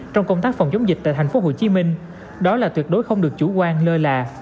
trong công tác phòng chống dịch tại tp hcm đó là tuyệt đối không được chủ quan lơ là